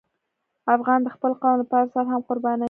افغان د خپل قوم لپاره سر هم قربانوي.